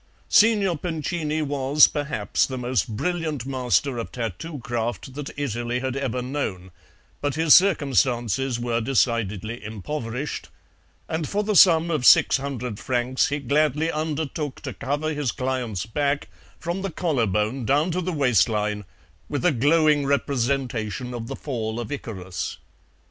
Signor Pincini was, perhaps, the most brilliant master of tattoo craft that Italy had ever known, but his circumstances were decidedly impoverished, and for the sum of six hundred francs he gladly undertook to cover his client's back, from the collar bone down to the waistline, with a glowing representation of the Fall of Icarus.